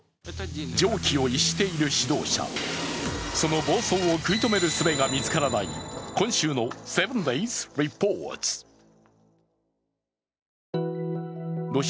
常軌を逸している指導者、その暴走を食い止めるすべが見つからない今週の「７ｄａｙｓリポート」。